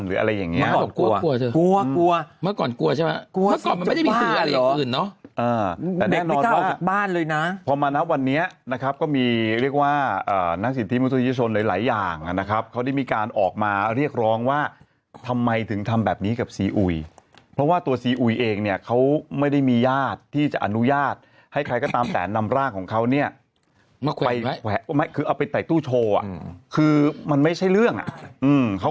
เมื่อก่อนกลัวเกลียดเกลียดเกลียดเกลียดเกลียดเกลียดเกลียดเกลียดเกลียดเกลียดเกลียดเกลียดเกลียดเกลียดเกลียดเกลียดเกลียดเกลียดเกลียดเกลียดเกลียดเกลียดเกลียดเกลียดเกลียดเกลียดเกลียดเกลียดเกลียดเกลียดเกลียดเกลียดเกลียดเกลียดเกลียดเกล